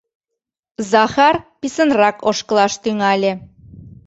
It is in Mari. Захар писынрак ошкылаш тӱҥале.